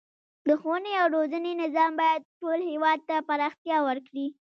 د ښوونې او روزنې نظام باید ټول هیواد ته پراختیا ورکړي.